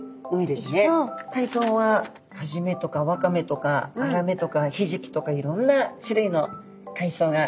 海藻はカジメとかワカメとかアラメとかヒジキとかいろんな種類の海藻がしげってます。